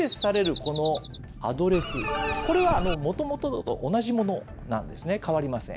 このアドレス、これはもともとと同じものなんですね、変わりません。